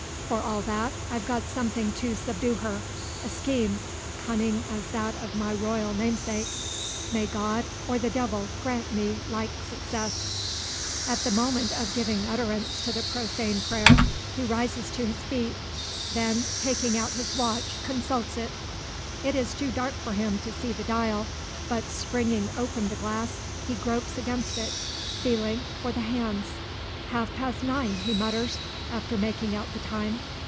For all that, I've got something to subdue her a scheme, cunning as that of my royal namesake. May God, or the Devil, grant me like success!" At the moment of giving utterance to the profane prayer, he rises to his feet. Then, taking out his watch, consults it. It is too dark for him to see the dial; but springing open the glass, he gropes against it, feeling for the hands. "Half past nine," he mutters, after making out the time.